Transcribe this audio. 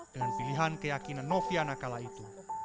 dengan pilihan keyakinan nofianakala itu